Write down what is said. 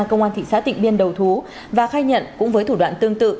công an thị xã tịnh biên đầu thú và khai nhận cũng với thủ đoạn tương tự